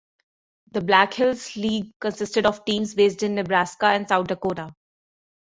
The Black Hills League consisted of teams based in Nebraska and South Dakota.